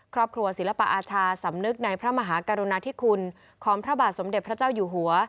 ศิลปอาชาสำนึกในพระมหากรุณาธิคุณของพระบาทสมเด็จพระเจ้าอยู่หัว